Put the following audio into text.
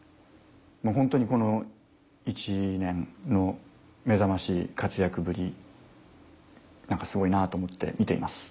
ホントにこの１年の目覚ましい活躍ぶり何かすごいなと思って見ています。